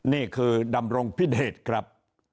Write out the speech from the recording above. นี่คือดำรงพิเดชครับ